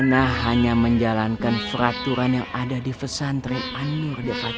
ana hanya menjalankan peraturan yang ada di fesantri anur de fatin